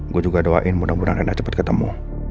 gue juga doain mudah mudahan rena cepet ketemu